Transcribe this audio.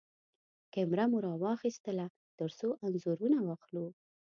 کېمره مو راواخيستله ترڅو انځورونه واخلو.